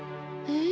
え？